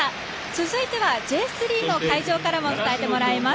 続いてはＪ３の会場からも伝えてもらいます。